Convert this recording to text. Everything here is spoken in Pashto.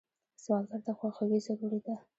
سوالګر ته خواخوږي ضروري ده